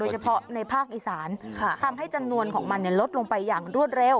เฉพาะในภาคอีสานทำให้จำนวนของมันลดลงไปอย่างรวดเร็ว